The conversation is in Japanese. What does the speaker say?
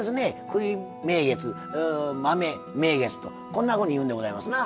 栗名月豆名月とこんなふうに言うんでございますな。